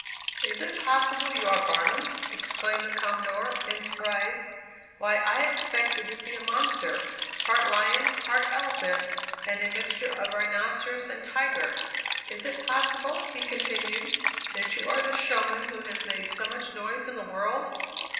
"Is it possible you are Barnum?" exclaimed the Commodore, in surprise, "why, I expected to see a monster, part lion, part elephant, and a mixture of rhinoceros and tiger! Is it possible," he continued, "that you are the showman who has made so much noise in the world?"